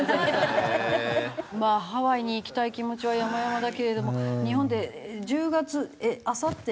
まあハワイに行きたい気持ちはやまやまだけれども日本で１０月あさって。